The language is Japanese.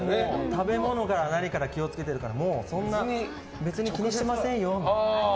食べ物から何から気を付けているからもう、そんな別に気にしてませんよみたいな。